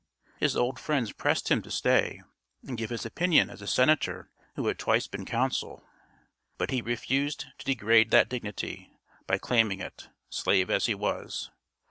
His old friends pressed him to stay and give his opinion as a senator who had twice been consul; but he refused to degrade that dignity by claiming it, slave as he was.